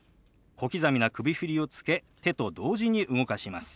小刻みな首振りをつけ手と同時に動かします。